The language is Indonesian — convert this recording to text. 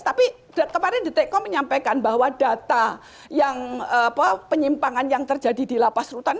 tapi kemarin dtkom menyampaikan bahwa data penyimpangan yang terjadi di lapas dan rutan